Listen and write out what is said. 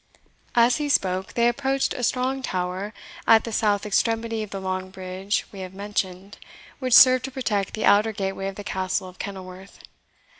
As he spoke, they approached a strong tower, at the south extremity of the long bridge we have mentioned, which served to protect the outer gateway of the Castle of Kenilworth.